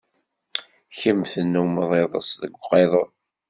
Kemm tennummeḍ iḍes deg uqiḍun.